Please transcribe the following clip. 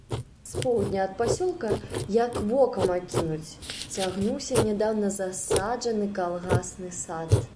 З поўдня ад пасёлка, як вокам акінуць, цягнуўся нядаўна засаджаны калгасны сад.